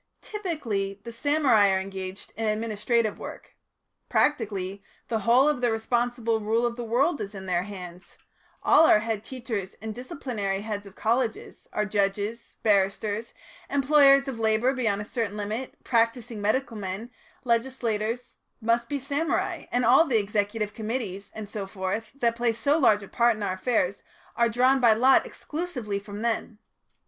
Typically, the samurai are engaged in administrative work. Practically the whole of the responsible rule of the world is in their hands; all our head teachers and disciplinary heads of colleges, our judges, barristers, employers of labour beyond a certain limit, practising medical men, legislators, must be samurai, and all the executive committees, and so forth, that play so large a part in our affairs are drawn by lot exclusively from them.